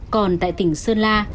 còn tại tỉnh sơn la